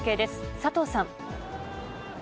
佐藤さん。